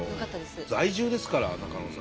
在住ですから中野さん。